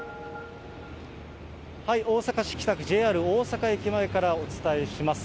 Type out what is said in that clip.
大阪市北区ＪＲ大阪駅前からお伝えします。